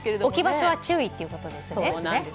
置き場所は注意ということですね。